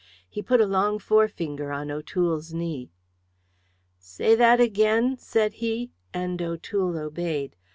He put a long forefinger on O'Toole's knee. "Say that again," said he, and O'Toole obeyed.